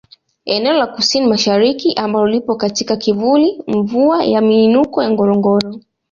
Eneo la KusiniMashariki ambalo lipo katika kivuli mvua ya miinuko ya Ngorongoro